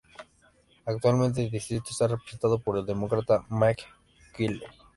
Actualmente el distrito está representado por el Demócrata Mike Quigley.